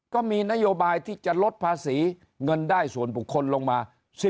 ก็มีนโยบายที่จะลดภาษีเงินได้ส่วนบุคคลลงมา